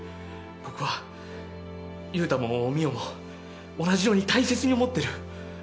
僕は優太も美桜も同じように大切に思ってる。